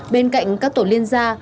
bên cạnh các tổ liên gia